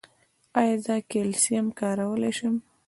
ایا زه کلسیم کارولی شم؟